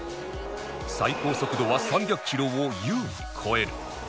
最高速度は３００キロを優に超える